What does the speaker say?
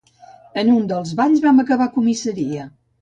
En un dels balls vam acabar a comissaria